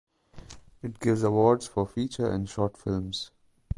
It gives awards for feature and short films.